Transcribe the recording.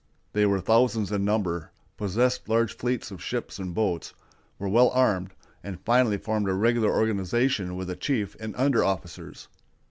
They were thousands in number, possessed large fleets of ships and boats, were well armed, and finally formed a regular organization with a chief and under officers.